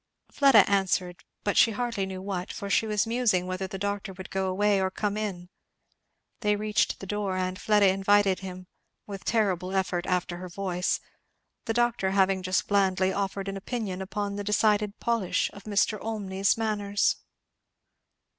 Fleda answered, but she hardly knew what, for she was musing whether the doctor would go away or come in. They reached the door, and Fleda invited him, with terrible effort after her voice; the doctor having just blandly offered an opinion upon the decided polish of Mr. Olmney's manners!